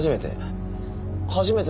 初めて？